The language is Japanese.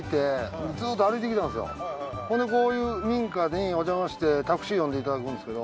ほんでこういう民家におじゃましてタクシー呼んでいただくんですけど。